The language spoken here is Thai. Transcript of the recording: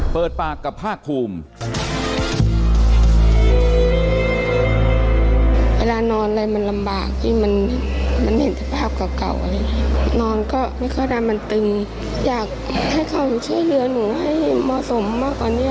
เปิดปากกับภาคภูมิ